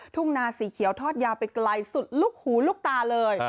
ทุ่งนาสีเขียวทอดยาวไปไกลสุดลูกหูลูกตาเลย